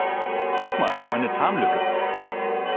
Guck mal, meine Zahnlücke!